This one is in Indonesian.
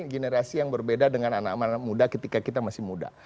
generasi yang berbeda dengan anak anak muda ketika kita masih muda